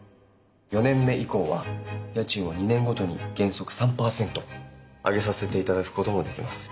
４年目以降は家賃を２年ごとに原則３％上げさせていただくこともできます。